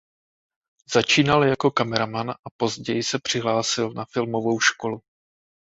Začínal jako kameraman a později se přihlásil na filmovou školu.